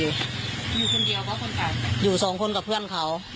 อยู่คนเดียวเพราะคนเก่าอยู่สองคนกับเพื่อนเขา